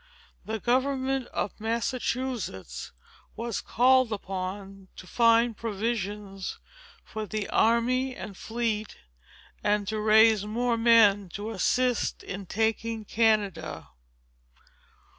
The government of Massachusetts was called upon to find provisions for the army and fleet, and to raise more men to assist in taking Canada.